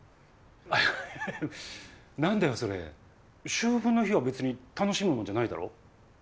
秋分の日は別に楽しむもんじゃないだろう？